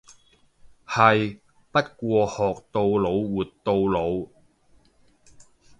係，不過學到老活到老。